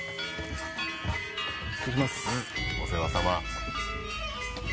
お世話さま。